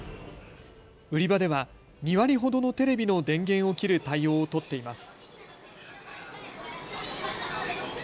売り場では２割ほどのテレビの電源を切る対応を取っています。